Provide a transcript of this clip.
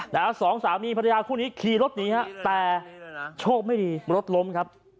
นะฮะสองสามีภรรยาคู่นี้ขี่รถหนีฮะแต่โชคไม่ดีรถล้มครับ